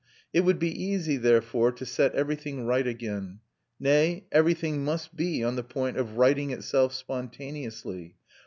It would be easy, therefore, to set everything right again: nay, everything must be on the point of righting itself spontaneously.